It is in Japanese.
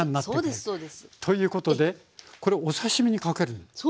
そうですそうです。ということでこれお刺身にかけるんですか？